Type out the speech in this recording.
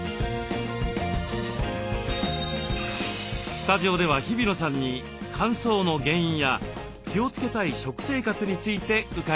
スタジオでは日比野さんに乾燥の原因や気をつけたい食生活について伺います。